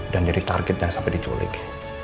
dan jadi targetnya sampai diculik